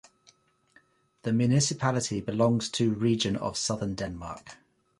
The municipality belongs to Region of Southern Denmark.